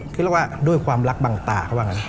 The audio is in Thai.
คือเรียกว่าด้วยความรักบังตาเขาบ้างนะ